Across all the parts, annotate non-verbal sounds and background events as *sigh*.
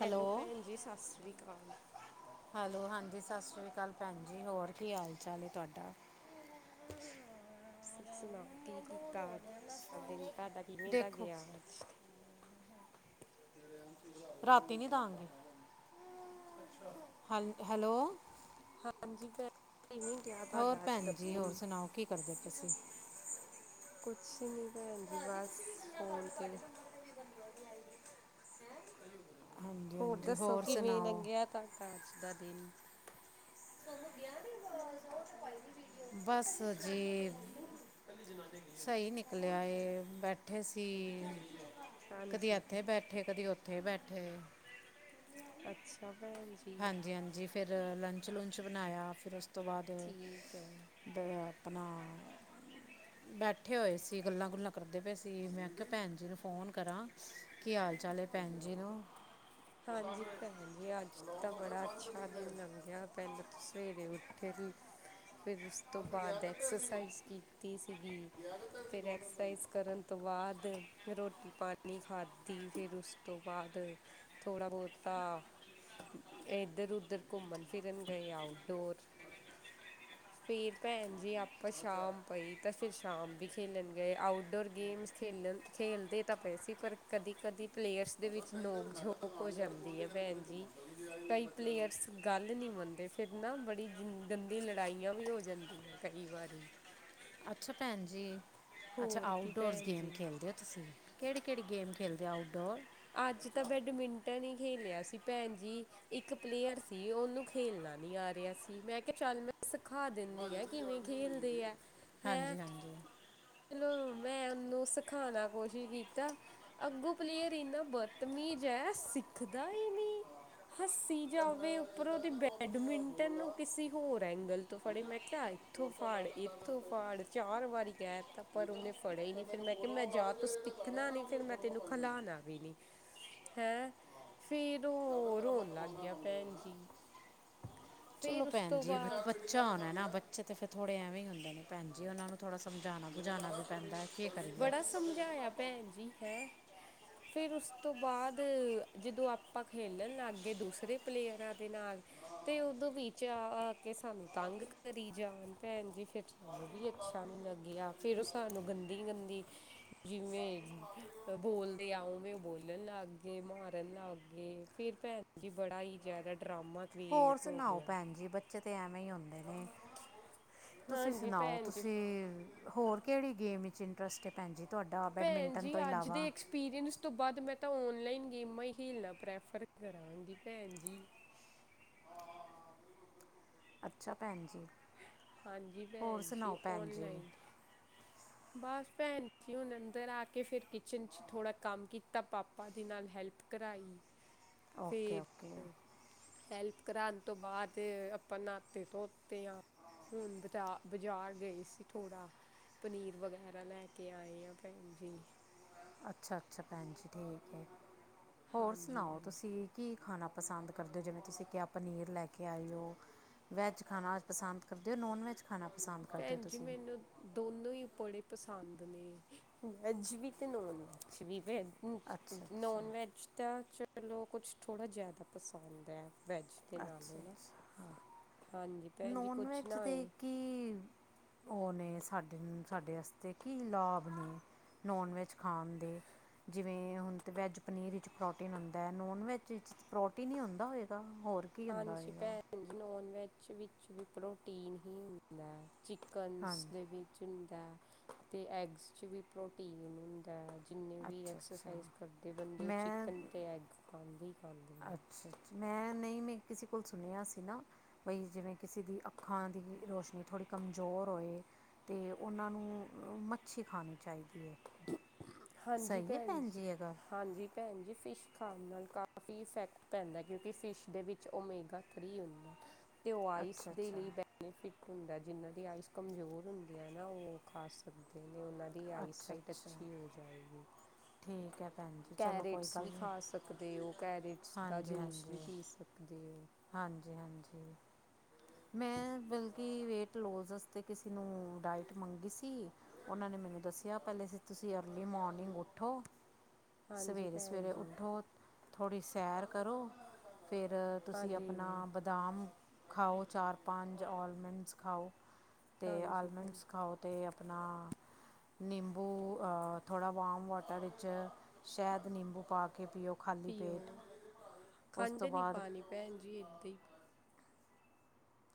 Hello, ਭੈਣ ਜੀ ਸਤਿ ਸ਼੍ਰੀ ਅਕਾਲ। ਹੈਲੋ, ਹਾਂਜੀ ਸਤਿ ਸ੍ਰੀ ਅਕਾਲ ਭੈਣ ਜੀ। ਹੋਰ ਕੀ ਹਾਲ-ਚਾਲ ਹੈ ਤੁਹਾਡਾ ਤੁਸੀਂ ਸੁਣਾਓ ਕੀ ਮੈਂ ਬੋਰ ਕੀਤਾ, ਹੋ ਰਿਹਾ ਮੈਂ ਫੋਨ ਦਿਨ ਤੁਹਾਡਾ ਦਿਨ ਦੇਖਣਾ ਕਿਵੇਂ ਦਾ ਦੇਖੋ ਗਿਆ ਅੱਜ ਰਾਤ ਨੀ ਦਾ ਗੀ, ਹੈਲੋ ਹਾਂਜੀ ਭੈਣ ਜੀ, ਕਿਵੇ ਰਿਹਾ ਹੋਰ ਤੁਹਾਡਾ ਅੱਜ ਦਾ ਭੈਣ ਜੀ ਹੋਰ ਦਿਨ? ਸੁਣਾਓ ਕੀ ਕਰਦੇ ਹੋ ਤੁਸੀਂ ਅੱਜ ਕੱਲ੍ਹ? ਕੁਝ ਨਹੀਂ ਭੈਣ ਜੀ, ਬਸ ਫ਼ੋਨ 'ਤੇ ਈ। ਹਾਂਜੀ ਹੋਰ ਹਾਂਜੀ ਦੱਸੋ ਕਿਵੇ ਸੁਣਾਓ ਲੱਗਿਆ ਤੁਹਾਡਾ ਅੱਜ ਦਾ ਦਿਨ? *inaudible* ਬਸ ਜੀ। ਸਈ ਨਿਕਲਿਆ ਐ ਬੈਠੇ ਸੀ। ਕਦੇ ਹਾਂਜੀ ਇੱਥੇ ਬੈਠੇ ਕਦੇ ਉੱਥੇ ਬੈਠੇ ਅੱਛਾ ਭੈਣ ਜੀ। ਹਾਂਜੀ-ਹਾਂਜੀ ਫਿਰ ਲੰਚ ਲੁਚ ਬਣਾਇਆ ਫਿਰ ਉਸ ਤੋਂ ਬਾਦ ਠੀਕ ਹੈ ਫੇਰ ਆਪਣਾ ਬਸ ਬੈਠੇ ਹੋਏ ਸੀ ਗੱਲਾਂ-ਬਾਤਾਂ ਕਰਦੇ ਪਏ ਸੀ ਫਿਰ ਮੈਂ ਕਿਹਾ, ਚਲੋ ਭੈਣ ਜੀ ਨੂੰ ਫ਼ੋਨ ਕਰਾ। ਕੀ ਹਾਲ-ਚਾਲ ਐ ਭੈਣ ਜੀ ਨੂੰ? ਹਾਂਜੀ ਭੈਣ ਜੀ। ਅੱਜ ਤਾਂ ਬੜਾ ਅੱਛਾ ਦਿਨ ਲੱਗਿਆ ਸਵੇਰੇ ਉੱਠੇ ਦੇ ਫਿਰ ਉਸ ਤੋਂ ਬਾਅਦ ਐਕਸਰਸਾਈਜ਼ ਕੀਤੀ ਸੀ। ਫਿਰ ਐਕਸਰਸਾਈਜ਼ ਕਰਨ ਤੋ ਬਾਦ ਫਿਰ ਰੋਟੀ-ਪਾਣੀ ਖਾਧੀ ਤੇ ਉਸ ਤੋਂ ਬਾਦ ਫਿਰ ਥੋੜ੍ਹਾ ਬਹੁਤਾ, ਇੱਧਰ-ਉੱਧਰ ਘੁੰਮਣ-ਫਿਰਣ ਚਲੇ ਗਏ *unintelligible* ਪ੍ਰੀਤ ਭੈਣ ਜੀ, ਆਪਾ ਸ਼ਾਮ ਪਈ ਤਾਂ ਫਿਰ ਖੇਲਣ ਗਏ ਆਊਟਡੋਰ ਗੇਮਸ ਖੇਡ ਤਾਂ ਪਏ ਸੀ ਪਰ ਕਦੇ-ਕਦੇ ਪਲੇਅਰ ਦੇ ਵਿਚ ਨੋਕ-ਝੋਕ ਨੋਕ-ਝੋਕ ਤਾਂ ਹੋ ਜਾਂਦੀ ਐ, ਭੈਣ ਜੀ। ਕਈ ਪਲੇਅਰਸ ਗੱਲ ਨੀ ਮੰਨਦੇ ਫਿਰ ਨਾ ਬੜੀ *unintelligible* ਲੜਾਈਆਂ ਵੀ ਹੋ ਜਾਂਦੀਆਂ ਕੀ ਵਾਰੀ ਅੱਛਾ ਭੈਣ ਜੀ, ਅੱਛਾ ਹੋਰ ਕੀ ਆਊਟਡੋਰ ਭੈਣ ਗੇਮਾਂ ਜੀ। ਖੇਡਦੇ ਔ ਤੁਸੀ? ਤੁਸੀਂ ਕਿਹੜੀ-ਕਿਹੜੀ ਗੇਮ ਖੇਡਦੇ ਔ ਆਊਟਡੋਰ? ਅੱਜ ਤਾ ਬੇਟਮਿਟਨ ਈ ਖੇਲਿਆ ਸੀ ਭੈਣ ਜੀ। ਇੱਕ ਪਲੇਅਰ ਸੀ ਉਨੂੰ ਖੇਡਣਾ ਨੀ ਆ ਰਿਹਾ ਸੀ ਮੈਂ ਕਿਹਾ ਚੱਲੋ ਮੈਂ ਸਿਖਾ ਦਿੰਨੀ ਆ। ਕਿਵੇਂ ਖੇਲਦੇ ਐ? ਹਾਂਜੀ-ਹਾਂਜੀ। ਚਲੋ, ਮੈਂ ੳਨੂੰ ਸਿਖਾ ਦਾ ਕੋਸ਼ਿਸ਼ ਕਿਤਾ ਅੱਗੋਂ ਪਲੇਅਰ ਐਨਾ ਬਤਮੀਜ ਐ ਸਿੱਖਦਾ ਈ ਨੀ। ਹੱਸੀ ਚੱਲ ਮੈਂ ਜਾਵੇ ਉਪਰੋ ਏਦਾਂ ਹੈ ਤੇ ਨਾ ਤੂੰ ਆਪਣੀ ਬੈਡਮਿੰਟਨ ਗੋਲ ਨੁੰ ਆ ਕਿਸੀ ਹੋਰ ਐਗਲ ਤੋ ਫੜੇ ਇੱਥੋਂ ਪੋਸਟਰ ਲਾ ਫੜ ਦਿੰਦਾ ਦੇ ਇੱਥੋਂ ਉੱਤੇ ਫੜ ਚਾਰ ਵਾਰੀ ਕੇ ਤਾ ਪਰ ਠੀਕ ਹੈ ਔਨੇ ਨਾ ਫੜਿਆ ਈ ਤੇ ਨੀ ਮੈਨੂੰ ਮੈ ਕਿਆ ਫੋਟੋਆਂ ਪਾ ਜਾ ਦੇ ਤੁੰ ਜਿਹੜੇ ਜਿਹੜੇ ਲਾਣੇ ਆ ਇਕਨਾ ਨਾ ਨੀ ਫਿਰ ਉਹਦੀਆਂ ਮੈਂ ਫੋਟੋਆਂ ਤੈਨੂੰ ਪਾਈ ਮੈਨੂੰ ਖਿਲਾਣਾ? ਹੈ ਫਿਰ ਚੱਲ ਮੈਂ ਉਹ ਤੇਰਾ ਮੈਂ ਰੋਣ ਲੱਗ ਕਰਾਉਣਾ ਗਿਆ, ਕੰਮ ਭੈਣ ਕਰਨਾ ਜੀ। ਚਲੋ ਫਿਰ ਉਸ ਭੈਣ ਤੋਂ ਜੀ ਬਾਦ *unintelligible* ਬੱਚੇ ਤਾਂ ਥੋੜੇ ਐਵੇਂ ਈ ਹੁੰਦੇ ਹਨ, ਭੈਣ ਜੀ ਉਹਨਾਂ ਨੂੰ ਸਮਝਾਉਣਾ-ਬੁਝਾਉਣਾ ਵੀ ਪੈਂਦਾ ਐ। ਬੜਾ ਸਮਝਿਆ ਭੈਣ ਜੀ ਹੈ। ਫਿਰ ਉਸ ਤੋਂ ਬਾਅਦ ਜਦੋ ਆਪਾ ਖੇਲਣ ਲੱਗ ਗਏ ਦੂਸਰੇ ਪਲੇਅਰ ਨਾਲ *unintelligible* ਸਾਨੂੰ ਤੰਗ ਕਰੀ ਜਾਂਦਾ ਸੀ, ਭੈਣ ਜੀ ਫੇਰ *unintelligible* ਫੇਰ ਔ ਸਾਨੂੰ ਗੱਦੀ ਗੱਦੀ ਜਿਵੇਂ ਬੋਲਦੇ ਐ ਉਵੇਂ ਬੋਲਣ ਲੱਗ ਗੇ ਮਾਰਨ ਲੱਗ ਗੇ। ਫਿਰ ਭੈਣ ਜੀ ਬੜਾ ਈ ਜ਼ਿਆਦਾ ਡਰਾਮਾ ਹੋਰ ਕ੍ਰੀਏਟ ਹੋ ਸੁਣਾਓ ਗਿਆ। ਭੈਣ ਜੀ? ਬੱਚੇ ਤਾਂ ਐਵੇਂ ਈ ਹੁੰਦੇ ਨੇ। ਤੁਸੀਂ ਹਾਂਜੀ ਸੁਣਾਓ ਜੀ, ਭੈਣ ਤੁਸੀਂ ਹੋਰ ਕਿਹੜੀ ਗੇਮ ਵਿੱਚ ਇੰਟਰੈਸਟ ਹੈ? ਤੁਹਾਡਾ ਬੈਡਮਿੰਟਨ ਤੋ ਇਲਾਵਾ ਪੀਰੀਅਨੀਸ ਤੋਂ ਬਾਦ ਮੈਂ ਤਾਂ ਔਨਲਾਈਨ ਗੇਮਾਂ ਈ ਖੇਲਣਾ ਪ੍ਰੈਫਰ ਕਰਾਂਗੀ, ਭੈਣ ਜੀ। ਅੱਛਾ, ਭੈਣ ਜੀ। ਹਾਂਜੀ ਹੋਰ ਭੈਣ ਜੀ, ਸੁਣਾਓ ਭੈਣ ਜੀ ਔਨਲਾਈਨ। ਬਸ ਭੈਣ ਜੀ, ਹੁਣ ਅੰਦਰ ਆ ਕੇ ਫੇਰ ਕਿਚਨ 'ਚ ਥੋੜ੍ਹਾ ਕੰਮ ਕੀਤਾ, ਪਾਪਾ ਦੇ ਨਾਲ ਹੈਲਪ ਕਰਾਈ, ਓਕੇ ਓਕੇ ਫੇਰ ਹੈਲਪ ਕਰਾਣ ਤੋਂ ਬਾਦ ਅਪਾਂ ਨਾਤੇ-ਧੋਤੇ ਆਂ। ਹੁਣ ਬਜਾ ਬਜ਼ਾਰ ਗਏ ਸੀ ਥੋੜ੍ਹਾ। ਪਨੀਰ ਵਗੈਰਾ ਲੈ ਕੇ ਆਏ ਆਂ, ਭੈਣ ਜੀ। ਅੱਛਾ ਅੱਛਾ, ਭੈਣ ਜੀ ਠੀਕ ਏ। ਹੋਰ ਹਾਂਜੀ ਸੁਣਾਓ, ਹਾਂਜੀ ਤੁਸੀਂ? ਕੀ ਖਾਣਾ ਪਸੰਦ ਕਰਦੇ ਔ? ਜਿਵੇਂ ਤੁਸੀਂ ਕਿਆ ਪਨੀਰ ਲੈ ਕੇ ਆਏ ਔ। ਵੈੱਜ ਖਾਣਾ ਅੱਜ ਪਸੰਦ ਕਰਦੇ ਔ, ਨੋਨਵੈਜ ਖਾਣਾ? ਪਸੰਦ ਕਰਦੇ ਹੋ ਭੈਣ ਜੀ ਤੁਸੀਂ ਮੈਨੂੰ ਦੋਨੋਂ ਈ ਬੜੇ ਪਸੰਦ ਨੇ ਵੈਜ ਵੀ ਤੇ ਨੋਨਵੈਜ ਵੀ ਵੈਣ ਉੰਚ ਅੱਛਾ ਅੱਛਾ ਨੋਨਵੈੱਜ ਤਾਂ ਚਲੋ ਕੁਛ ਥੋੜ੍ਹਾ ਜੈਦਾ ਪਸੰਦ ਐ। ਵੈਜ ਦੇ ਨਾਲੋ ਅੱਛਾ ਨਾ, ਅੱਛਾ ਹਾਂਜੀ ਭੈਣ ਜੀ ਨੋਨ ਕੁਛ ਨਾ ਹੋਏ ਔ ਨੇ ਸਾਡੇ ਨੂੰ ਸਾਡੇ ਅਸਤੇ ਕੀ ਲਾਭ ਨੇ? ਨੋਨ ਵੈੱਜ ਖਾਣ ਦੇ। ਜਿਵੇਂ ਹੁਣ ਤੇ ਵੈੱਜ ਪਨੀਰ ਇਚ ਪ੍ਰੋਟੀਨ ਹੁੰਦੈ, ਨੋਨ ਵੈੱਜ ਏਚ ਪ੍ਰੋਟੀਨ ਹੀਂ ਹੁੰਦਾ ਹੋਏਗਾ ਹੋਰ ਕੀ ਹੁੰਦਾ ਹਾਂਜੀ ਹੋਏਗਾ ਭੈਣ ਜੀ, ਨੋਨ ਵੈਜ ਵਿੱਚ ਵੀ ਪ੍ਰੋਟੀਨ ਹੀ ਹੁੰਦੈ। ਚਿਕਨਸ ਹਾਂਜੀ ਦੇ ਵਿੱਚ ਹੁੰਦੈ ਤੇ ਐਗਸ 'ਚ ਵੀ ਪ੍ਰੋਟੀਨ ਹੁੰਦੈ। ਜਿੰਨੇ ਵੀ ਅੱਛਾ ਅੱਛਾ ਐਕਸਰਸਾਈਜ਼ ਕਰਦੇ ਬੰਦੇ ਓਹ ਮੈਂ ਚਿਕਨ ਤੇ ਐਗ ਖਾਂਦੇ ਹੀ ਖਾਂਦੇ। ਨੇ ਅੱਛਾ ਅੱਛ ਮੈਂ ਨਹੀਂ ਮੈਂ ਕਿਸੇ ਕੋਲ ਸੁਣਿਆ ਸੀ ਨਾ ਭਈ ਜਿਵੇਂ ਕਿਸੀ ਦੀ ਅੱਖਾਂ ਦੀ ਰੋਸ਼ਨੀ ਥੋੜ੍ਹੀ ਕਮਜ਼ੋਰ ਹੋਏ। ਅਤੇ ਓਨਾਂ ਨੂੰ ਅ ਮੱਛੀ ਖਾਣੀ ਚਾਈਦੀ ਏ। ਹਾਂਜੀ ਭੈਣ ਜੀ, ਹਾਂਜੀ। ਭੈਣ ਜੀ ਫਿਸ਼ ਖਾਣ ਨਾਲ ਕਾਫੀ ਇਫੈਕਟ ਪੈਂਦੈ। ਕਿਉਂਕਿ, ਫਿਸ਼ ਦੇ ਵਿੱਚ ਓਮੇਗਾ ਥ੍ਰੀ ਹੁੰਦੈ। ਤੇ ਓ ਆਇਸ ਅੱਛਾ ਦੇ ਅੱਛਾ ਲਈ ਬੈ ਨੀਫਿਕ ਹੁੰਦੈ, ਜਿਨਾਂ ਦੀ ਆਇਸ ਕਮਜ਼ੋਰ ਹੁੰਦੀ ਐ ਨਾ ਓਹ ਖਾ ਸਕਦੇ ਨੇ, ਓਨਾਂ ਦ ਦੀ ਅੱਛਾ ਆਈਸਾਈਟ ਅੱਛਾ ਅੱਛੀ ਹੋ ਜਾਏਗੀ। ਠੀਕ ਹੈ ਭੈਣ ਜੀ ਚਲੋ ਕੋਈ ਕੈਰੇਟਸ ਗੱਲ ਵੀ ਨਹੀਂ ਖਾ ਸਕਦੇ ਔ। ਕੈਰੇਟਸ ਦਾ ਹਾਂਜੀ ਜੂਸ ਵੀ ਹਾਂਜੀ ਪੀ ਸਕ ਦੇ ਓ। ਹਾਂਜੀ, ਹਾਂਜੀ। *inaudible* ਮੈਂ ਬਲਕੇ ਵੇਟ ਲੋਜ਼ ਅਸਤੇ ਕਿਸੇ ਨੂੰ ਡਾਇਟ ਮੰਗੀ ਸੀ ਓਨਾਂ ਨੇ ਮੈਨੂੰ ਦੱਸਿਆ ਪੈਲੇ ਅਸੀ ਤੁਸੀਂ ਅਰਲੀ ਮੋਰਨਿੰਗ ਉੱਠੋ। ਹਾਂਜੀ ਭੈਣ ਸਵੇਰੇ-ਸਵੇਰੇ ਜੀ ਉੱਠੋ, ਥੋੜ੍ਹੀ ਸੈਰ ਕਰੋ। ਫੇਰ ਤੁਸੀਂ ਹਾਂਜੀ ਅਪਣਾ ਬੱ ਬਦਾਮ ਖਾਓ ਚਾਰ-ਪੰਜ, ਔਲਮੰਡਸ ਖਾਓ। ਤੇ ਹਾਂਜੀ ਭੈਣ ਜੀ ਆਲਮੰਡਸ ਖਾਓ ਤੇ ਅਪਣਾ ਨਿੰਬੂ ਅ ਥੋੜ੍ਹਾ ਵਾਮ ਵਾਟਰ ਇਚ ਸੈ਼ਦ, ਨਿੰਬੂ ਪਾ ਕੇ ਪੀਓ ਖਾਲੀ ਪੇਟ। ਪੀਓ ਉਸ ਖੰਡ ਤੋਂ ਨੀ ਬਾਅਦ ਪਾਨੀ ਭੈਣ ਜੀ ਏਦਾਂ ਈ।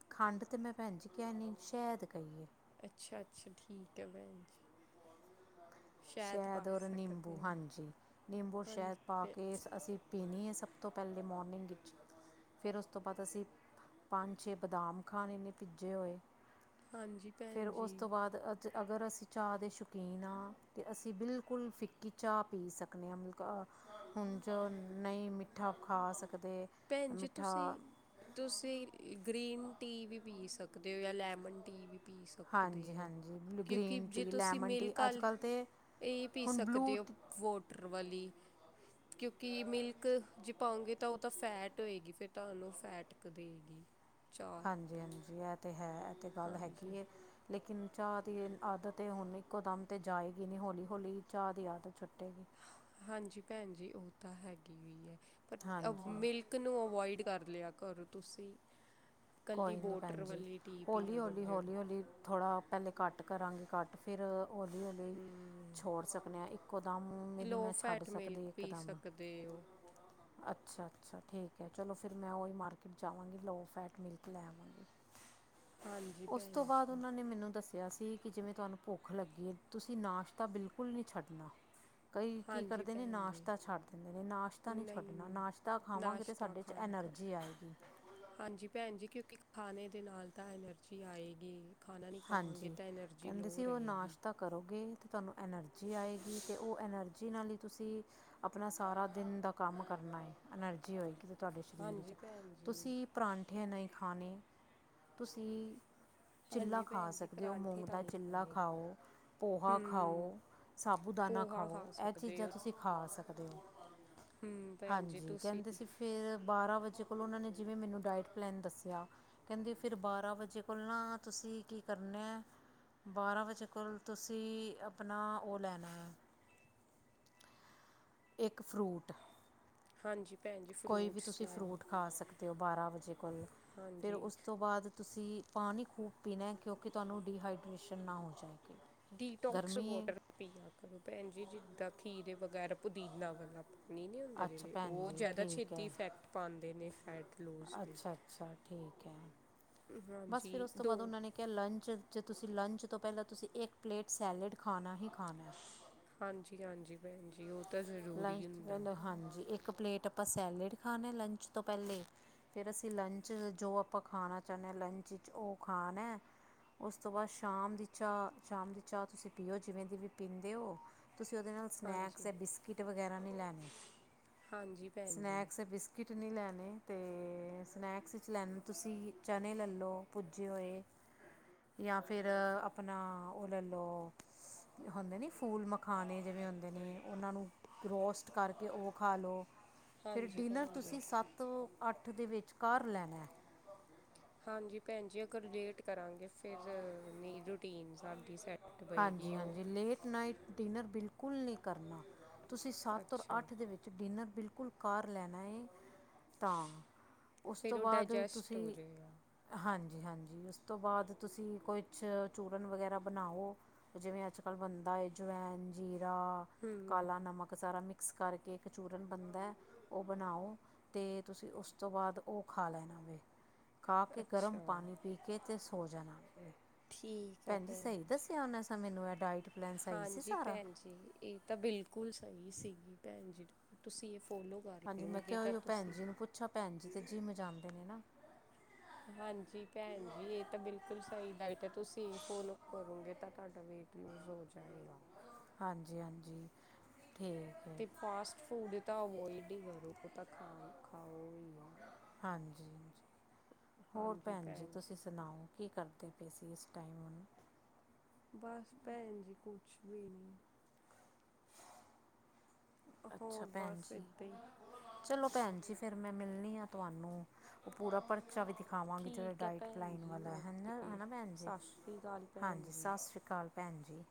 ਖੰਡ ਤੇ ਮੈਂ ਭੈਨ ਜੀ ਕੇਆ ਨੀ ਸੈ਼ਦ ਕਈ ਐ। ਅੱਛਾ-ਅੱਛਾ ਠੀਕ ਐ ਬੈਨ ਜੀ। ਸ਼ਾਇਦ ਸੈ਼ਦ ਪਾ ਔਰ ਨਿੰਬੂ ਸਕਦੇ ਹੋ ਹਾਂਜੀ, ਨਿੰਬੂ ਔਰ ਹਾਂਜੀ ਸੈ਼ਦ ਪਾ ਭੈ ਕੇ ਅਸੀਂ ਪੀਨੀ ਏ ਸਬ ਤੋਂ ਪੈਲੇ ਮੋਰਨਿੰਗ ਵਿਚ। ਫੇਰ ਓਸ ਤੋਂ ਬਾਦ ਅਸੀਂ ਪੰਜ-ਛੇ ਬਦਾਮ ਖਾਨੇ ਨੇ ਭਿੱਜੇ ਹੋਏ। ਹਾਂਜੀ ਫੇਰ ਭੈਣ ਓਸ ਜੀ ਤੋਂ ਬਾਦ ਅਜ ਅਗਰ ਅਸੀਂ ਚਾਅ ਦੇ ਸ਼ੌਕੀਨ ਆਂ ਤੇ ਅਸੀਂ ਬਿਲਕੁੱਲ ਫਿੱਕੀ ਚਾਹ ਪੀ ਸਕਦੇ ਆਂ ਮਤਲੱਬ ਹੁਨ ਜੋ ਨਈਂ ਮਿੱਠ ਮਿੱਠਾ ਖਾ ਸਕਦੇ, ਭੈਣ ਜੀ ਮਿੱਠਾ ਤੁਸੀਂ ਤੁਸੀਂ ਗ੍ਰੀਨ ਟੀ ਵੀ ਪੀ ਸਕਦੇ ਓਂ ਜਾਂ ਲੈਮਨ ਟੀ ਵੀ ਪੀ ਸਕਦੇ ਹਾਂਜੀ ਓਂ ਹਾਂਜੀ ਕਿਓਂਕਿ ਗ੍ਰੀਨ ਜੇ ਟੀ ਤੁਸੀਂ ਲੈਮਨ ਟੀ ਮਿਲਕ ਅੱਜ ਆਲੀ ਕੱਲ੍ਹ ਤਾਂ ਏਈ ਪੀ ਹੁਣ ਬਲੂ ਸਕਦੇ ਓਂ ਵੋਟਰ ਵਾਲੀ, ਕਿਓਂਕਿ ਮਿਲ ਜੇ ਪਾਓਂਗੇ ਤਾਂ ਓ ਤਾਂ ਫੈਟ ਹੋਏਗੀ ਫੇਰ ਤੁਹਾਨੂੰ ਫੈਟ ਕ ਦੇਏਗੀ। ਹਾਂਜੀ-ਹਾਂਜੀ ਏਹ ਤਾਂ ਹੈ ਐ ਤੇ ਗੱਲ ਹਾਂਜੀ ਹੈਗੀ ਏ। ਲੇਕਿਨ ਚਾਅ ਦੀ ਆਦਤ ਹੁਨ ਇੱਕੋ ਦਮ ਤਾਂ ਜਾਏਗੀ ਨੀ ਹੌਲੀ-ਹੌਲੀ ਚਾਅ ਦੀ ਆਦਤ ਛੁੱਟੇਗੀ। ਹਾਂਜੀ ਭੈਨ ਜੀ ਓ ਤਾਂ ਹੈਗੀ ਵੀ ਐ, ਪਰ ਹਾਂਜੀ ਮਿਲ ਮਿਲਕ ਨੂੰ ਅੋਵਾਇਡ ਕਰ ਲਿਆ ਕਰੋ ਤੁਸੀਂ। ਕੱਲੀ ਕੋਈ ਨੀ ਵੋਟਰ ਭੈਨ ਜੀ, ਵਾਲੀ ਟੀ ਪੀ ਅਗਰ ਜਿਹੜੀ ਹੌਲੀ-ਹੌਲੀ-ਹੌਲੀ-ਹੌਲੀ ਥੋੜ੍ਹਾ ਪੈਲੇ ਘੱਟ ਕਰਾਂਗੇ ਘੱਟ ਫਿਰ ਹੋਲੀ-ਹੋਲੀ ਹਮ ਛੋੜ ਸਕਦੇ ਆਂ ਇੱਕੋ ਦਮ ਵੀ ਨੀ ਲੋ ਮੈਂ ਛੱਡ ਫੈਟ ਸਕਦੀ ਮਿਲਕ ਇੱਕੋ ਪੀ ਦਮ ਸਕਦੇ ਹੋ ਅੱਛਾ-ਅੱਛਾ ਠੀਕ ਐ ਚਲੋ ਫਿਰ ਮੈਂ ਓਈ ਮਾਰਕੀਟ ਜਾਵਾਂਗੀ ਲੋ ਫੈਟ ਮਿਲ ਮਿਲਕ ਲੈ ਆਵਾਂਗੀ, ਹਾਂਜੀ ਉਸ ਭੈਣ ਤੋਂ ਬਾਦ ਜੀ ਓਨਾਂ ਨੇ ਮੈਨੂੰ ਦੱਸੇਆ ਕਿਆ ਸੀ ਕੀ ਜਿਵੇਂ ਤੁਆਨੂੰ ਭੁੱਖ ਲੱਗੀ ਐ ਤੁਸੀਂ ਨਾਸ਼ਤਾ ਬਿਲਕੁੱਲ ਨੀ ਛੱਡਨਾ। ਕਈ ਕੀ ਹਾਂਜੀ ਕਰਦੇ ਨੇ ਭੈਣ ਜੀ ਨਾਸ਼ਤਾ ਛੱਡ ਦਿੰਦੇ ਨੇ ਨਾਸ਼ਤਾ ਨੀ ਛੱਡਨਾ ਨਹੀਂ ਨਾਸ਼ਤਾ ਖਾਵਾਂਗੇ ਤਾਂ ਨਾਸ਼ਤਾ ਸਾਡੇ ਚ ਖਾਇਆ ਐਨਰਜੀ ਕਰੋ ਆਏਗੀ। ਹਾਂਜੀ ਭੈਨਜੀ ਕਿਓਂਕਿ ਖਾਨੇ ਦੇ ਨਾਲ ਤਾਂ ਐਨਰਜੀ ਆਏਗੀ। ਖਾਨਾ ਨੀ ਖਾਵਾਂਗੇ ਹਾਂਜੀ ਤਾਂ ਐਨਰਜੀ ਕਹਿੰਦੇ ਲੋਅ ਸੀ ਉਹ ਰਏਗੀ। ਨਾਸ਼ਤਾ ਕਰੋਗੇ ਤੇ ਤਾਨੂੰ ਐਨਰਜੀ ਆਏਗੀ ਤੇ ਓ ਐਨਰਜੀ ਨਾਲ ਈ ਤੁਸੀਂ ਆਪਨਾ ਸਾਰਾ ਦਿਨ ਦਾ ਕੰਮ ਕਰਨਾ ਐ ਐਨਰਜੀ ਹੋਏਗੀ ਤਾਂ ਤਾਡੇ ਸਰੀਰ ਵਿੱਚ, ਹਾਂਜੀ ਭੈਣ ਜੀ ਤੁਸੀਂ ਪਰਾਂਠੇ ਐ ਨਈ ਖਾਨੇ, ਤੁਸੀਂ ਚਿੱਲਾ ਹਾਂਜੀ ਖਾ ਭੈਣ ਜੀ ਸਕਦੇ ਓਂ ਪਰਾਂਠੇ ਮੂੰਗ ਤਾਂ ਦਾ ਨਹੀਂ ਚਿੱਲਾ ਖਾਣੇ ਖਾਓ, ਪੋਹਾ ਹਮ ਖਾਓ, ਸਾਬੂ ਦਾਨਾ ਪੋਹਾ ਖਾਓ ਖਾ ਐਹ ਸਕਦੇ ਚੀਜ਼ਾਂ ਹੋ ਤੁਸੀਂ ਖਾ ਸਕਦੇ ਓਂ, ਹਮ ਭੈਣ ਜੀ ਹਾਂਜੀ ਤੁਸੀਂ ਕੈਂਦੇ ਸੀ ਫੇਰ ਬਾਰ੍ਹਾਂ ਵਜੇ ਕੋਲ ਓਨਾਂ ਨੇ ਜਿਵੇਂ ਮੈਨੂੰ ਡਾਇਟ ਪਲੈਨ ਦੱਸੇਆ ਕੈਂਦੇ ਫਿਰ ਬਾਰਾਂ ਵਜੇ ਕੋਲ ਨਾ ਤੁਸੀਂ ਕੀ ਕਰਨਾ ਬਾਰਾਂ ਵਜੇ ਕੋਲ ਤੁਸੀਂ ਆਪਨਾ ਓ ਲੈਨੈ ਇੱਕ ਫਰੂਟ ਹਾਂਜੀ ਭੈਣ ਜੀ ਕੋਈ ਵੀ ਫਰੂਟਸ ਤੁਸੀਂ ਲੈਣੇ ਫਰੂਟ ਖਾ ਸਕਦੇ ਓਂ ਬਾਰਾਂ ਵਜੇ ਕੋਲ। ਫਿਰ ਹਾਂਜੀ ਉਸ ਤੋਂ ਬਾਦ ਤੁਸੀਂ ਪਾਨੀ ਖੂਬ ਪੀਨੈ ਕਿਓਂਕਿ ਤੁਆਨੂੰ ਡੀਹਾਈਡਰੇੇਸ਼ਨ ਨਾ ਹੋ ਜਾਏਗੀ। ਡੀਟੋਕਸ ਗਰਮੀ ਵਾਟਰ ਹੈ ਪੀਆ ਕਰੋ ਭੈਨ ਜੀ ਜਿੱਦਾਂ ਖੀਰੇ ਵਗੈਰਾ ਪੁਦੀਨਾਂ ਵਾਲਾ। ਨੀ ਨੀ ਹੁੰਦਾ ਅੱਛਾ ਜੇੜੇ ਭੈਣ ਓ ਜੀ ਜ਼ਾਦਾ ਠੀਕ ਛੇਤੀ ਹੈ ਇਫੈਕਟ ਪਾਂਦੇ ਨੇ ਫੈਟ ਲੂਜ਼ ਲਈ। ਅੱਛਾ ਅੱਛਾ ਠੀਕ ਐ, ਬਸ ਫਿਰ ਹਾਂਜੀ ਉਸ ਤੋਂ ਦੋ ਬਾਦ ਓਨਾਂ ਨੇ ਕਿਆ ਲੰਚ ਚ ਤੁਸੀਂ ਲੰਚ ਤੋਂ ਪੈਲਾਂ ਤੁਸੀਂ ਇੱਕ ਪਲੇਟ ਸੈਲਡ ਖਾਨਾ ਈ ਖਾਨੈ। ਹਾਂਜੀ-ਹਾਂਜੀ ਭੈਨਜੀ ਓ ਲੰਚ ਤੋਂ ਪੈਲੇ ਹਾਂਜੀ ਇੱਕ ਪਲੇਟ ਆਪਾਂ ਸੈਲੇਡ ਖਾਨੈ ਲੰਚ ਤੋਂ ਪੈਲੇ ਫੇਰ ਅਸੀਂ ਲੰਚ ਜੋ ਆਪਾਂ ਖਾਣਾ ਚਾਹਨੇ ਆਂ ਲੰਚ ਚ ਉਹ ਖਾਣੈ। ਉਸ ਤੋਂ ਬਾਅਦ ਸ਼ਾਮ ਦੀ ਚਾਹ ਸ਼ਾਮ ਦੀ ਚਾਹ ਤੁਸੀਂ ਪੀਓ ਜਿਵੇਂ ਦੀ ਵੀ ਪੀਂਦੇ ਹੋ। ਤੁਸੀਂ ਉਹਦੇ ਨਾਲ ਸਨੈਕਸ ਹਾਂਜੀ ਬਿਸਕਿਟ ਵਗੈਰਾ ਨਹੀਂ ਲੈਣੇ ਹਾਂਜੀ ਭੈਣ ਜੀ ਸਨੈਕਸ ਬਿਸਕਿਟ ਬਿਸਕਿਟ ਨਹੀਂ ਲੈਣੇ ਤੇ ਸਨੈਕਸ 'ਚ ਲੈਣੇ ਤੁਸੀਂ ਚਨੇ ਲੈ ਲਓ ਭੁੱਜੇ ਹੋਏ। ਜਾਂ ਫਿਰ ਆਪਣਾ ਉਹ ਲੈ ਲਓ। ਹੁੰਦੇ ਨੀ ਫੂਲ ਮਖਾਣੇ ਜਿਵੇਂ ਹੁੰਦੇ ਨੇ ਉਹਨਾਂ ਨੂੰ ਰੋਸਟ ਕਰਕੇ ਉਹ ਖਾ ਲਉ ਫਿਰ ਹਾਂਜੀ ਡਿਨਰ ਭੈਣ ਜੀ ਤੁਸੀਂ ਸੱਤ ਸੱਤ ਤੋਂ ਅੱਠ ਦੇ ਵਿੱਚ ਕਾਰ ਲੈਣੈ। ਹਾਂਜੀ ਭੈਣਜੀ ਅਗਰ ਲੇਟ ਕਰਾਂਗੇ ਫਿਰ ਨਹੀਂ ਰੂਟੀਨ ਸਾਡੀ ਸੈਟ ਹਾਂਜੀ ਹਾਂਜੀ ਲੇਟ ਨਾਈਟ ਡਿਨਰ ਬਿਲਕੁੱਲ ਨਹੀਂ ਕਰਨਾ ਤੁਸੀਂ ਸੱਤ ਔਰ ਅੱਛਾ ਅੱਠ ਦੇ ਵਿੱਚ ਡਿਨਰ ਬਿਲਕੁੱਲ ਕਰ ਲੈਣਾ ਏ। ਤਾਂ ਉਸ ਫਿਰ ਤੋਂ ਉਹ ਬਾਅਦ ਡਾਇਜੈਸਟ ਹੋ ਤੁਸੀਂ ਜਾਏਗਾ ਹਾਂਜੀ ਹਾਂਜੀ, ਉਸ ਤੋਂ ਬਾਅਦ ਤੁਸੀਂ ਕੁਛ ਚੂਰਨ ਵਗੈਰਾ ਬਣਾਓ। ਜਿਵੇਂ ਅੱਜ ਕੱਲ੍ਹ ਬਣਦਾ ਏ ਜਵੈਣ ਜੀਰਾ ਕਾਲਾ ਹੂੰ ਨਮਕ ਸਾਰਾ ਮਿਕ। ਮਿਕਸ ਕਰਕੇ ਇੱਕ ਚੂਰਨ ਬਣਦੈ ਉਹ ਬਣਾਓ। ਤੇ ਤੁਸੀਂ ਉਸ ਤੋਂ ਬਾਅਦ ਉਹ ਖਾ ਲੈਣਾ ਵੇ। ਖਾ ਕੇ ਗਰਮ ਅੱਛਾ ਪਾਣੀ ਪੀ ਕੇ ਤੇ ਸੋ ਜਾਣਾ ਭੈਣ ਜੀ ਸਹੀ ਦੱਸਿਆ। ਮੈਨੂੰ ਇਹ ਡਾਇਟ ਪਲੈਨ ਸਹੀ ਸੀ ਹਾਂਜੀ ਸਾਰਾ। ਭੈਣ ਜੀ ਇਹ ਤਾਂ ਬਿਲਕੁਲ ਸਹੀ ਸੀ ਭੈਣ ਜੀ ਤੁਸੀਂ ਇਹ ਫੋਲੋ। ਕਰ ਹਾਂਜੀ ਮੈਂ ਲੂੰਗੇ ਕਿਹਾ ਤਾਂ ਓਹੀਓ ਭੈਣ ਤੁਸੀਂ ਜੀ ਨੂੰ ਪੁੱਛਾ ਭੈਣ ਜੀ ਤੇ ਜਿਮ ਜਾਂਦੇ ਨੇ ਨਾ। ਹਾਂਜੀ ਭੈਣ ਜੀ ਇਹ ਤਾਂ ਬਿਲਕੁਲ ਸਹੀ ਡਾਈਟ ਹੈ ਤੁਸੀਂ ਇਹੀ ਫੋਲੋ ਕਰੋਗੇ ਤਾਂ ਤੁਹਾਡਾ ਵੇਟ। ਲੂਜ਼ ਹੋ ਜਾਏਗਾ। ਹਾਂਜੀ ਹਾਂਜੀ ਠੀਕ ਏ। ਤੇ ਫਾਸਟ ਫੂਡ ਤਾਂ ਅਵੋਇਡ ਹੀ ਕਰੋ ਉਹ ਤਾਂ ਖਾਓ ਖਾਓ ਹੀ ਨਾ। ਹਾਂਜੀ, ਹੋਰ ਭੈਣ ਜੀ ਤੁਸੀਂ ਸੁਣਾਓ। ਕੀ ਕਰਦੇ ਪਏ ਸੀ ਇਸ ਟਾਈਮ ਹੁਣ। ਬਸ ਭੈਣ ਜੀ, ਕੁਛ ਵੀ ਨੀ। ਅੱਛਾ, ਭੈਣ ਜੀ। ਏਦਾਂ ਹੀ ਚਲੋ ਭੈਣ ਜੀ, ਫਿਰ ਮੈਂ ਮਿਲਣੀ ਆਂ ਤੁਹਾਨੂੰ ਉਹ ਪੂਰਾ। ਪਰਚਾ ਵੀ ਦਿਖਾਵਾਂਗੀ। ਜਿਹੜਾ ਠੀਕ ਹੈ ਡਾਇਟ ਭੈਣ ਪਲਾਈਨ ਜੀ ਵਾਲਾ ਹੈ ਨਾ ਹੈ ਓਕੇ ਨਾ ਭੈਣ ਜੀ ਸਤਿ ਸ਼੍ਰੀ ਅਕਾਲ ਭੈਣ ਹਾਂਜੀ ਜੀ ਸਤਿ ਸ਼੍ਰੀ ਅਕਾਲ। ਭੈਣ ਜੀ।